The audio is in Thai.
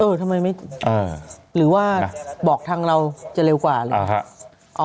ทำไมไม่หรือว่าบอกทางเราจะเร็วกว่าหรือ